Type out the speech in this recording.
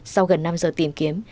sau gần năm giờ tìm kiếm